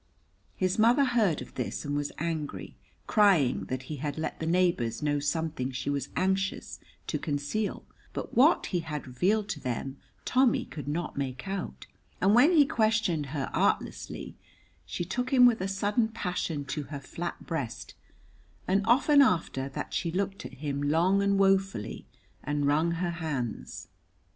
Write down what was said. His mother heard of this and was angry, crying that he had let the neighbors know something she was anxious to conceal, but what he had revealed to them Tommy could not make out, and when he questioned her artlessly, she took him with sudden passion to her flat breast, and often after that she looked at him long and woefully and wrung her hands.